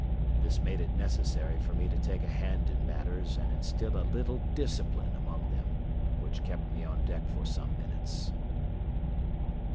This made it necessary for me to take a hand in matters and instil a little discipline among them, which kept me on deck for some minutes.